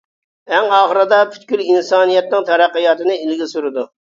ئەڭ ئاخىرىدا پۈتكۈل ئىنسانىيەتنىڭ تەرەققىياتىنى ئىلگىرى سۈرىدۇ.